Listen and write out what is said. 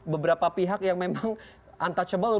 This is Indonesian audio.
beberapa pihak yang memang untouchable